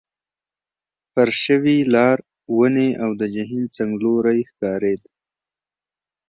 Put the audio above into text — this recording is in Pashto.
فرش شوي لار، ونې، او د جهیل څنګلوری ښکارېد.